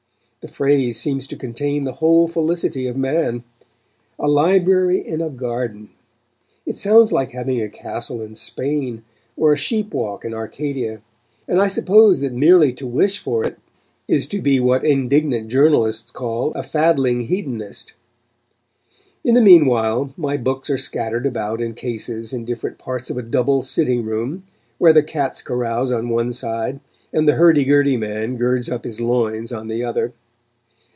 The phrase seems to contain the whole felicity of man "a library in a garden!" It sounds like having a castle in Spain, or a sheep walk in Arcadia, and I suppose that merely to wish for it is to be what indignant journalists call "a faddling hedonist." In the meanwhile, my books are scattered about in cases in different parts of a double sitting room, where the cats carouse on one side, and the hurdy gurdy man girds up his loins on the other.